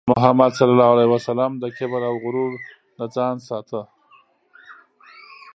محمد صلى الله عليه وسلم د کبر او غرور نه ځان ساته.